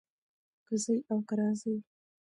کۀ ځي او کۀ راځي